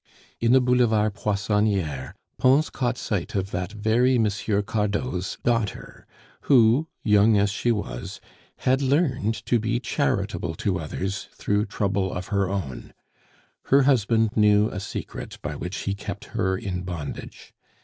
In the Boulevard Poissonniere, Pons caught sight of that very M. Cardot's daughter, who, young as she was, had learned to be charitable to others through trouble of her own. Her husband knew a secret by which he kept her in bondage.